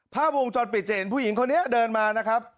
ภาพวงจรปิดจะเห็นผู้หญิงคนนี้เดินมานะครับ